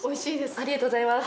ありがとうございます。